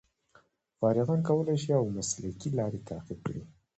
فارغان کولای شي اوه مسلکي لارې تعقیب کړي.